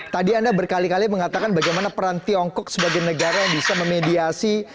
tadi anda berkali kali mengatakan bagaimana peran tiongkok sebagai negara yang bisa memediasi